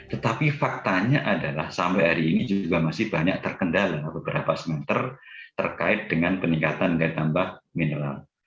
tetapi faktanya adalah sampai hari ini juga masih banyak terkendala beberapa semester terkait dengan peningkatan dan tambah mineral